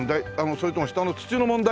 それとも下の土の問題？